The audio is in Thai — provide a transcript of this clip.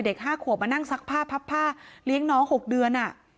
๕ขวบมานั่งซักผ้าพับผ้าเลี้ยงน้อง๖เดือน